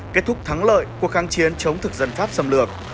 kết thúc thắng lợi cuộc kháng chiến chống thực dân pháp xâm lược